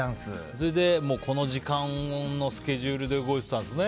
それでこの時間のスケジュールで動いてたんですね。